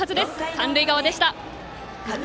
三塁側でした。